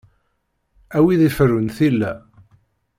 A wid iferrun tilla!